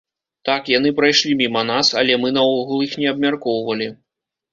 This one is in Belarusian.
Так, яны прайшлі міма нас, але мы наогул іх не абмяркоўвалі.